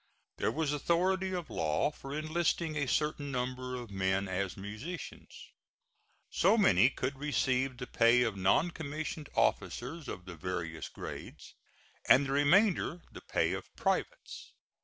There was authority of law for enlisting a certain number of men as musicians. So many could receive the pay of non commissioned officers of the various grades, and the remainder the pay of privates.